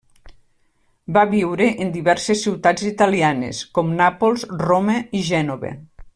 Va viure en diverses ciutats italianes com Nàpols, Roma i Gènova.